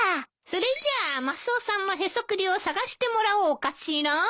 それじゃマスオさんのへそくりを探してもらおうかしら。